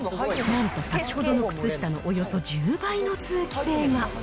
なんと先ほどの靴下のおよそ１０倍の通気性が。